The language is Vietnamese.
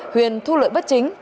huyền thu lợi bất chấp